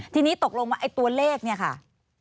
ทีนี้ตกลงว่าไอ้ตัวเลขเนี่ยค่ะ